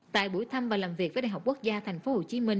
tại buổi thăm và làm việc với đại học quốc gia tp hcm